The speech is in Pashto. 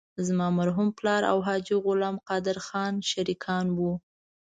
زما مرحوم پلار او حاجي غلام قادر خان شریکان وو.